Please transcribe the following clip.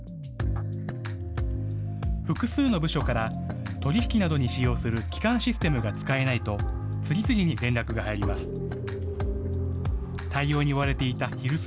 複数の部署から、取り引きなどに使用する基幹システムが使えないと、次々に連絡が入ります。